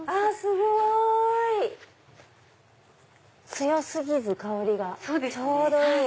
強過ぎず香りがちょうどいい。